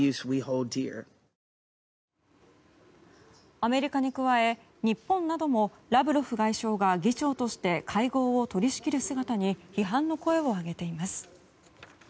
アメリカに加え日本などもラブロフ外相が議長として会合を取り仕切る姿に批判の声を上げています。